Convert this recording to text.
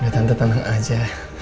tante tenang aja